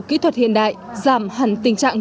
kỹ thuật hiện đại giảm hẳn tình trạng